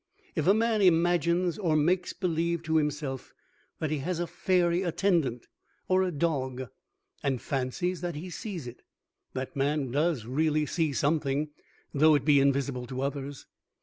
If a man imagines or makes believe to himself that he has a fairy attendant, or a dog, and fancies that he sees it, that man does really see something, though it be invisible to others.